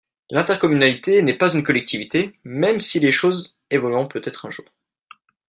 L’intercommunalité n’est pas une collectivité, même si les choses évolueront peut-être un jour.